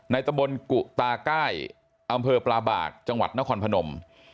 ตะบนกุตาก้ายอำเภอปลาบากจังหวัดนครพนม